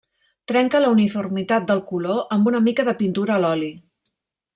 Trenca la uniformitat del color amb una mica de pintura a l'oli.